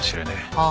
ああ。